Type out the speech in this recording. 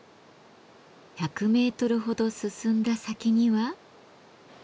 １００メートルほど進んだ先には？